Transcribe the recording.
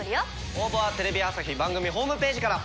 応募はテレビ朝日番組ホームページから。